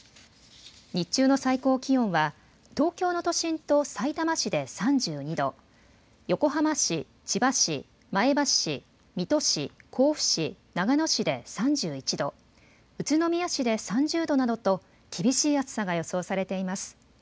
日中の最高気温は東京の都心とさいたま市で３２度、横浜市、千葉市、前橋市、水戸市、甲府市、長野市で３１度、宇都宮市で３０度などと厳しい暑さが予想されています。